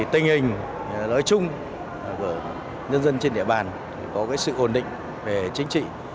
tình hình nói chung của nhân dân trên địa bàn